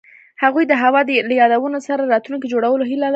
هغوی د هوا له یادونو سره راتلونکی جوړولو هیله لرله.